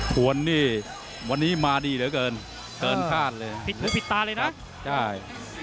ถวนนี่วันนี้มาดีเหลือเกินเกินคาดเลย